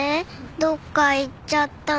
どっか行っちゃったの。